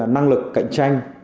năng lực cạnh tranh